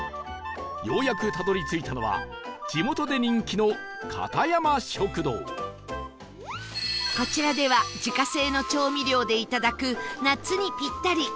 ようやくたどり着いたのは地元で人気のこちらでは自家製の調味料でいただく夏にぴったり！